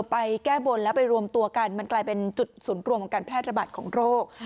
ไปแก้บนแล้วไปรวมตัวกันมันกลายเป็นจุดศูนย์รวมของการแพร่ระบาดของโรค